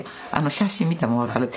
写真見ても分かる。